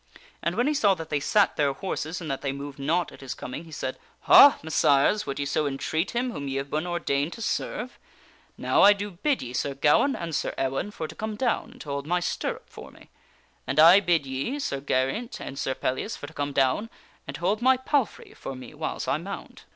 And when he saw that they sat their horses and that they moved not at his coming, he said :" Ha, Messires ! would ye so entreat him whom ye KING ARTHUR DECLARES HIMSELF 121 have been ordained to serve ? Now I do bid ye, Sir Gawaine and Sir E \vaine, for to come down and to hold my stirrup for me; and I bid ye, Sir Geraint and Sir Pellias, for to come down and to hold my palfrey for me whiles I mount."